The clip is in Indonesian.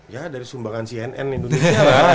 ya dari sumbangan cnn indonesia